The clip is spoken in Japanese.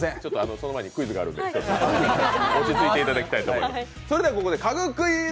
その前にクイズがあるんで、落ち着いていただきたいと思います。